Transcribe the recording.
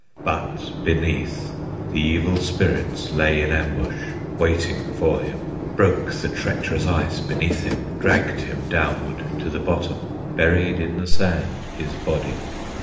But beneath, the Evil Spirits Lay in ambush, waiting for him, Broke the treacherous ice beneath him, Dragged him downward to the bottom, Buried in the sand his body.